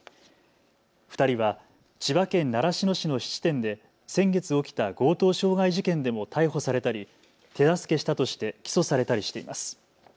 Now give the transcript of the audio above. ２人は千葉県習志野市の質店で先月起きた強盗傷害事件でも逮捕されたり、手助けしたとして起訴されたりしています。